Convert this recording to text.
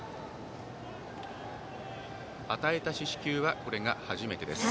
与えた四死球はこれが初めてです。